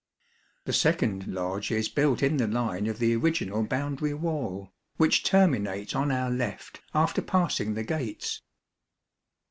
The second lodge is built in the line of the original boundary wall, which terminates on our left after passing the gates.